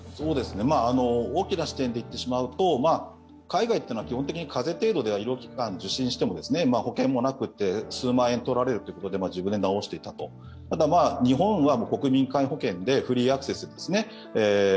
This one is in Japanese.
大きな視点で言ってしまうと海外というのは基本的に風邪程度では医療機関を受診しても保険もなくて数万円取られるということで自分で治していた、ただ日本は国民皆保険でフリーアクセスですよね。